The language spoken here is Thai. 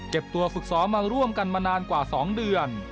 เก็บตัวฝึกศรมาร่วมกันมานานกว่า๒เดือน